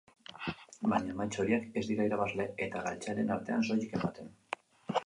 Baina emaitza horiek ez dira irabazle eta galtzaileen artean soilik ematen.